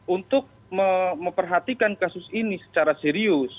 untuk memperhatikan kasus ini secara serius